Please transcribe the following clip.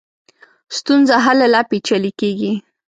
ستونزه هله لا پېچلې کېږي.